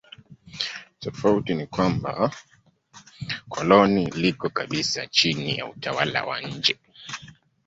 Tofauti ni kwamba koloni liko kabisa chini ya utawala wa nje.